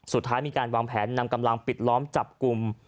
สุดท้ายมีการวางแผนนำกำลังปิดล้อมจับกลุ่ม